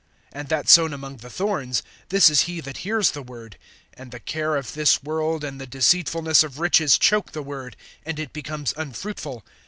(22)And that sown among the thorns, this is he that hears the word, and the care of this world and the deceitfulness of riches choke the word, and it becomes unfruitful.